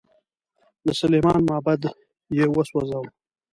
د سلیمان معبد یې وسوځاوه.